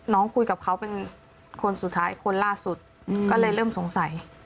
คุยกับเขาเป็นคนสุดท้ายคนล่าสุดก็เลยเริ่มสงสัย